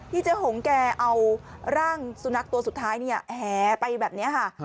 เจ๊หงแกเอาร่างสุนัขตัวสุดท้ายเนี่ยแหไปแบบนี้ค่ะ